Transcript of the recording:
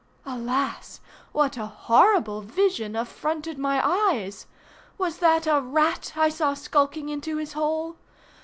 Alas! what a horrible vision affronted my eyes? Was that a rat I saw skulking into his hole?